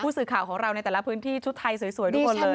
สื่อข่าวของเราในแต่ละพื้นที่ชุดไทยสวยทุกคนเลย